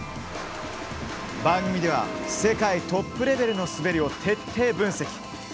番組では、世界トップレベルの滑りを徹底分析。